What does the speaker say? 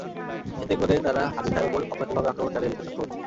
এতে করে তারা হাদিথার ওপরে অব্যাহতভাবে আক্রমণ চালিয়ে যেতে সক্ষম হচ্ছে।